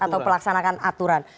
atau pelaksanakan aturan